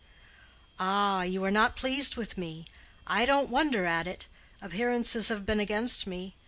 "Ah, you are not pleased with me. I don't wonder at it. Appearances have been against me.